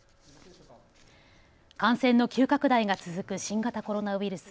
感染の急拡大が続く新型コロナウイルス。